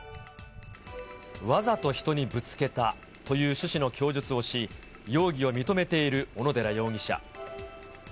わざと人にぶつけたという趣旨の供述をし、容疑を認めている小野寺容疑者。